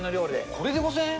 これで５０００円？